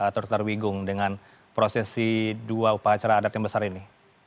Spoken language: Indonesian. tertarikung dengan prosesi dua upacara adat yang besar ini